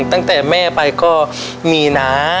ตั้งแต่แม่ไปก็มีนะ